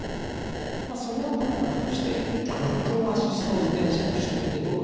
まあそれはともかくとして電動アシスト自転車の仕組みってどうなってるか知ってる？